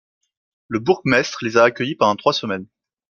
Le bourgmestre les a accueillis pendant trois semaines.